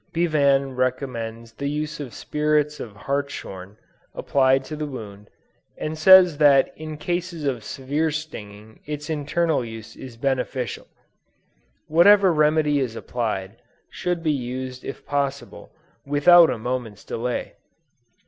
Bevan recommends the use of spirits of hartshorn, applied to the wound, and says that in cases of severe stinging its internal use is beneficial. Whatever remedy is applied, should be used if possible, without a moment's delay.